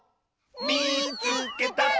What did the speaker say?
「みいつけた！」。